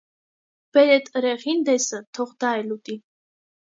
Բեր էդ ըրեխին դեսը, թող դա էլ ուտի: